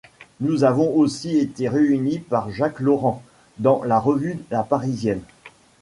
Nous avons aussi été réunis par Jacques Laurent, dans la revue La Parisienne.